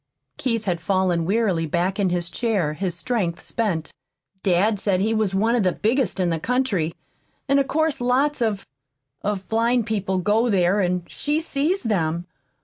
Keith had fallen wearily back in his chair, his strength spent. "Dad said he was one of the biggest in the country. And of course lots of of blind people go there, and she sees them.